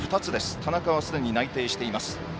田中はすでに内定しています。